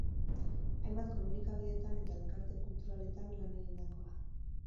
Hainbat komunikabidetan eta elkarte kulturaletan lan egindakoa.